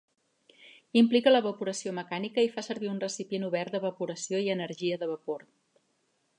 Implica l'evaporació mecànica i fa servir un recipient obert d'evaporació i energia de vapor.